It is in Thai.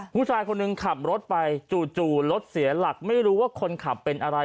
ผู้ชายคนหนึ่งขับรถไปจู่รถเสียหลักไม่รู้ว่าคนขับเป็นอะไร